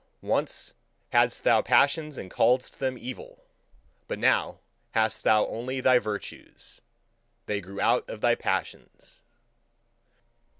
Once hadst thou passions and calledst them evil. But now hast thou only thy virtues: they grew out of thy passions.